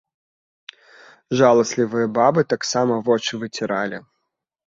Жаласлівыя бабы таксама вочы выціралі.